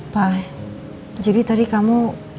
pak jadi tadi kamu